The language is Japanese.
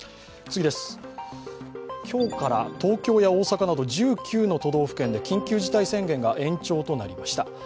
今日から東京や大阪など１９の都道府県で緊急事態宣言が延長となりました。